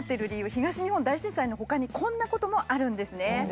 東日本大震災のほかにこんなこともあるんですね。